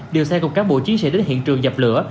điều xe cùng cán bộ chiến sĩ đến hiện trường dập lửa